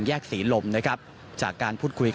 ศรีลมนะครับจากการพูดคุย